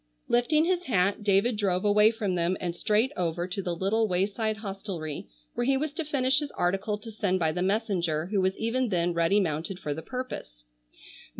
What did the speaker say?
Lifting his hat David drove away from them and straight over to the little wayside hostelry where he was to finish his article to send by the messenger who was even then ready mounted for the purpose.